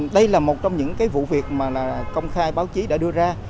đây là một trong những cái vụ việc mà công khai báo chí đã đưa ra